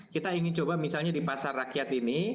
kita ingin coba misalnya di pasar rakyat ini